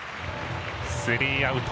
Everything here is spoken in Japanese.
スリーアウト。